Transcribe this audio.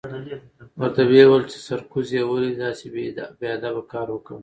ورته ویې ویل چې سرکوزیه ولې دې داسې بې ادبه کار وکړ؟